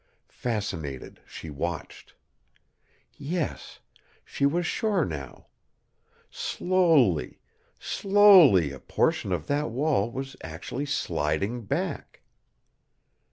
Fascinated, she watched. Yes, she was sure now. Slowly, slowly a portion of that wall was actually sliding back.